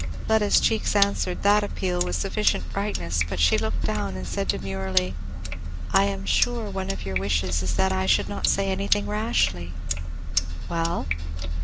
Fleda's cheeks answered that appeal with sufficient brightness, but she looked down and said demurely, "I am sure one of your wishes is that I should not say anything rashly." "Well?